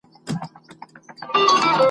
تر چار چوبه دی راغلې لېونۍ د ځوانۍ مینه ..